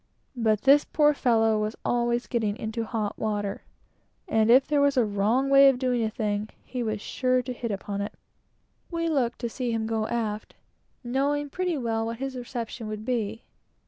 But this poor fellow was always getting into hot water, and if there was a wrong way of doing a thing, was sure to hit upon it. We looked to see him go aft, knowing pretty well what his reception would be.